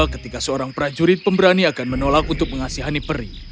ketika seorang prajurit pemberani akan menolak untuk mengasihani peri